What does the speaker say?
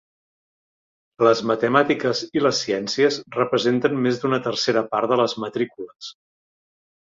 Les Matemàtiques i les Ciències representen més d'una tercera part de les matrícules.